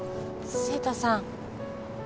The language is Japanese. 晴太さん